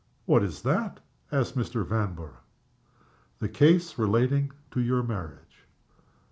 "What is that?" asked Mr. Vanborough. "The case relating to your marriage."